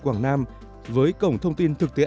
quảng nam với cổng thông tin thực tế